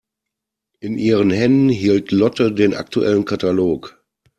In ihren Händen hielt Lotte den aktuellen Katalog.